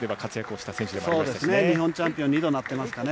そうですね、日本チャンピオン、２度なってますかね。